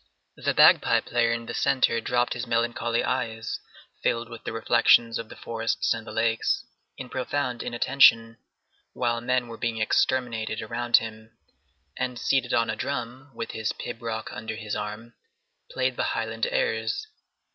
The bagpipe player in the centre dropped his melancholy eyes, filled with the reflections of the forests and the lakes, in profound inattention, while men were being exterminated around him, and seated on a drum, with his pibroch under his arm, played the Highland airs.